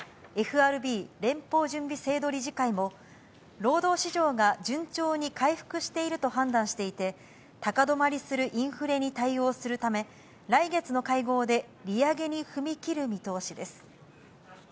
ＦＲＢ・連邦準備制度理事会も、労働市場が順調に回復していると判断していて、高止まりするインフレに対応するため、来月の会合で利上げに踏み切る見通しです。